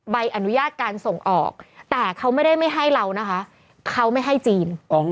ใบอนุญาตการส่งออกแต่เขาไม่ได้ไม่ให้เรานะคะเขาไม่ให้จีน